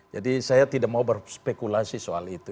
jadi saya tidak mau berspekulasi soal itu